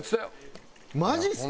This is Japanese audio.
マジっすか？